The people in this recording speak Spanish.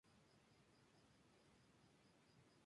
The Evil Within se utiliza prominentemente en cosplay.